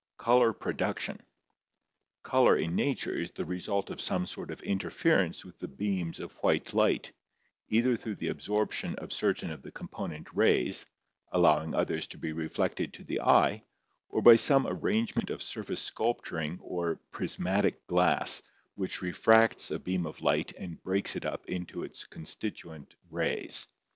Color Production Color in nature is the result of some sort of interference with the beams of white light, either through the absorption of certain of the component rays, allowing others to be reflected to the eye, or by some arrangement of surface sculpturing or prismatic glass which refracts a beam of light and breaks it up into its constituent rays.